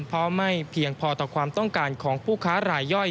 เพราะไม่เพียงพอต่อความต้องการของผู้ค้ารายย่อย